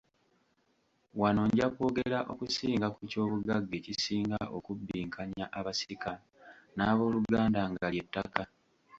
Wano nja kwogera okusinga ku ky'obugagga ekisinga okubbinkanya abasika n'abooluganda nga ly'ettaka.